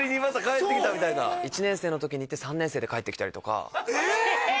１年生の時にいて３年生で帰ってきたりとかえ！